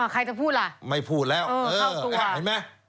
ใครจะพูดล่ะไม่พูดแล้วเห็นไหม